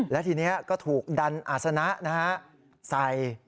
และทีนี้ก็ถูกดันอาศนะใส่